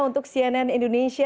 untuk cnn indonesia